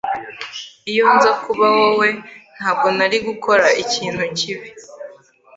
Iyo nza kuba wowe, ntabwo nari gukora ikintu kibi.